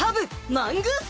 マングース